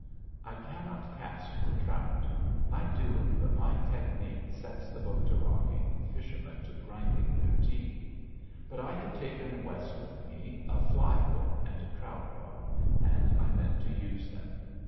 I cannot cast for trout. I do it, but my technique sets the boat to rocking and fishermen to grinding their teeth. But I had taken West with me a fly book and a trout rod, and I meant to use them.